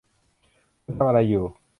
คุณทำอะไรอยู่